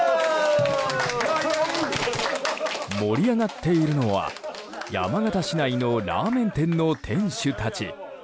盛り上がっているのは山形市内のラーメン店の店主たち。